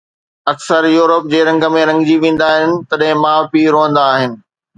اڪثر يورپ جي رنگ ۾ رنگجي ويندا آهن، تڏهن ماءُ پيءُ روئندا آهن